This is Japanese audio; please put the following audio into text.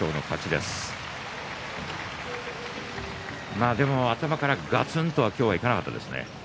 でも頭から、がつんとは今日はいかなかったですね。